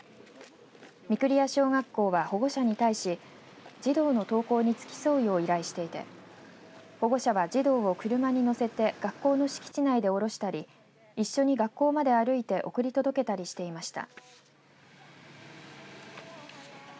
御厨小学校は保護者に対し児童の登校に付き添うよう依頼していて保護者は児童を車に乗せて学校の敷地内で下ろしたり一緒に学校まで歩いて送り届けたりしていました。